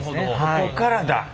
ここからだ。